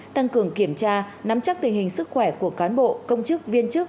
tăng cường kiểm tra nắm chắc tình hình sức khỏe của cán bộ công chức viên chức